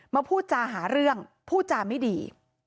พูดจาหาเรื่องพูดจาไม่ดี